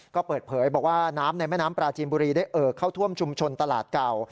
ก็เปิดเผยบอกว่าน้ำในแม่น้ำปลาจีนบุรีได้เอ่อเข้าท่วมชุมชนตลาดเก่า